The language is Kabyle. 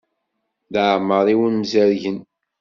Leɛmeṛ i wen-zerrgen?